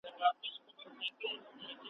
د بد زوی له لاسه ښه پلار ښکنځل کېږي `